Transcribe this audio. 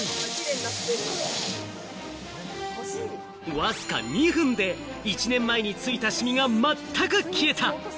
わずか２分で１年前についたシミがまったく消えた！